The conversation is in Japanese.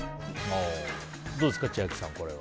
どうですか、千秋さん、これは。